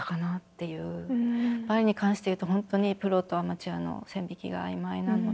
バレエに関して言うと本当にプロとアマチュアの線引きが曖昧なので。